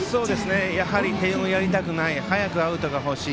やはり点をやりたくない早くアウトが欲しい